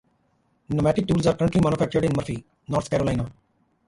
Pneumatic tools are currently manufactured in Murphy, North Carolina.